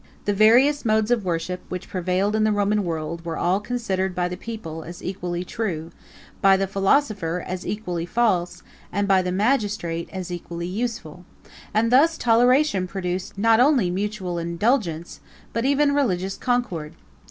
The various modes of worship, which prevailed in the Roman world, were all considered by the people, as equally true; by the philosopher, as equally false; and by the magistrate, as equally useful. And thus toleration produced not only mutual indulgence, but even religious concord.